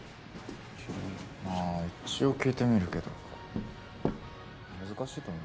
ちょまあ一応聞いてみるけど難しいと思う。